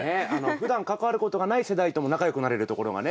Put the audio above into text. ふだん関わることがない世代とも仲良くなれるところがね。